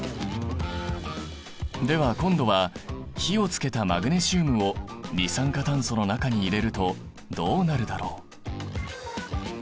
では今度は火をつけたマグネシウムを二酸化炭素の中に入れるとどうなるだろう？